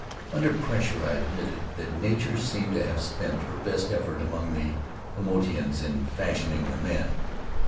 Under pressure, I admitted that Nature seemed to have spent her best effort among the Paumotuans in fashioning the men.